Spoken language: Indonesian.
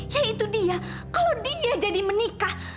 ya itu dia kalau dia jadi menikah